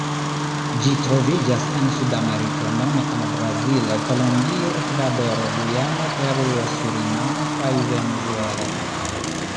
Ĝi troviĝas en Sudameriko nome en Brazilo, Kolombio, Ekvadoro, Gujano, Peruo, Surinamo kaj Venezuelo.